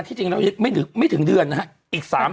ถ้าขายเมื่อไหร่เก็บเมื่อนั้นเอาอีก